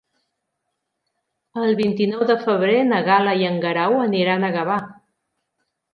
El vint-i-nou de febrer na Gal·la i en Guerau aniran a Gavà.